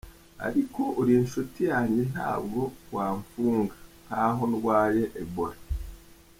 Ariko uri inshuti yanjye ntabwo wamfunga nkaho ndwaye Ebola.